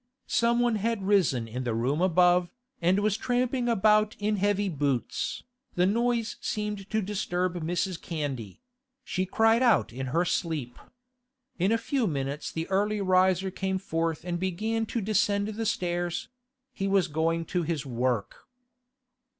Someone had risen in the room above, and was tramping about in heavy boots. The noise seemed to disturb Mrs. Candy; she cried out in her sleep. In a few minutes the early riser came forth and began to descend the stairs; he was going to his work.